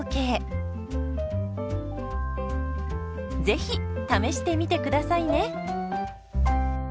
ぜひ試してみてくださいね。